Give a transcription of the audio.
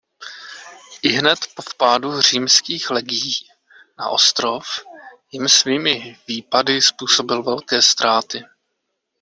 Ihned po vpádu římských legií na ostrov jim svými výpady způsobil velké ztráty.